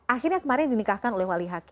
akhirnya kemarin dinikahkan oleh wali haki